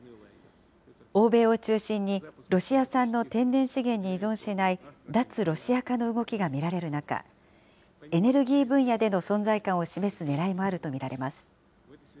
欧米を中心に、ロシア産の天然資源に依存しない脱ロシア化の動きが見られる中、エネルギー分野での存在感を示すねらいもあると見られます。